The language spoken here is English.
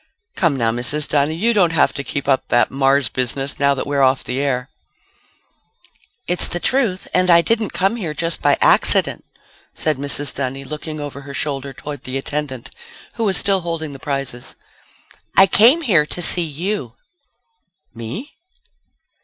"Come, now, Mrs. Dunny. You don't have to keep up that Mars business now that we're off the air." "It's the truth and I didn't come here just by accident," said Mrs. Dunny, looking over her shoulder toward the attendant who was still holding the prizes. "I came here to see you." "Me?"